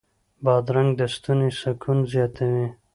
بادرنګ د ستوني سکون زیاتوي.